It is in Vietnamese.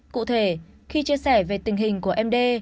cụ thể khi chia sẻ về tình hình của md